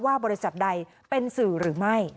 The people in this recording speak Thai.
บริษัทใดเป็นสื่อหรือไม่